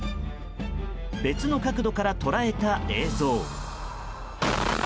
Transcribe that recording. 別の角度から捉えた映像。